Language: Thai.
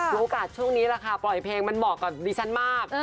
โรกัตต์ช่วงนี้ละค่ะปล่อยเพลงมันบอกก่อนดิฉันมาก